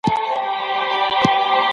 په کورنۍ کي د چا زړه نه ماتول کېږي.